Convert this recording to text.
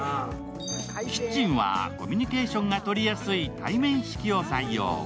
キッチンはコミュニケーションがとりやすい対面式を採用。